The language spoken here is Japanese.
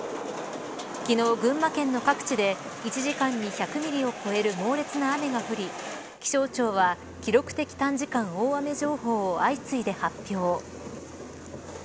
昨日、群馬県の各地で１時間に１００ミリを超える猛烈な雨が降り気象庁は記録的短時間大雨情報を相次いで発表。